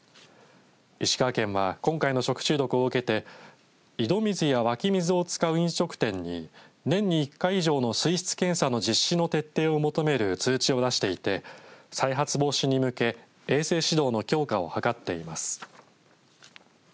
石川県は今回の食中毒を受けて井戸水や湧き水を使う飲食店に年に１回以上の水質検査を実施の徹底を求める通知を出していて再発防止に向け衛生指導の強化を図っています。